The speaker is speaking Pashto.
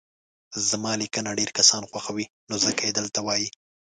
زما ليکنه ډير کسان خوښوي نو ځکه يي دلته وايي